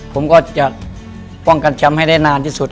ผมก็จะป้องกันแชมป์ให้ได้นานที่สุด